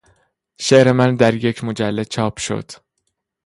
شعر من در یک مجله چاپ شد.